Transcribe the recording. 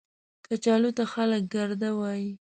کچالو ته خلک ګرده وايي